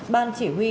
ban chỉ huy